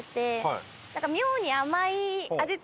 妙に甘い？